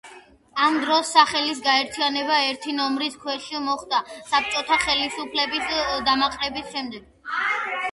ამ ორი სახლის გაერთიანება ერთი ნომრის ქვეშ მოხდა საბჭოთა ხელისუფლების დამყარების შემდეგ.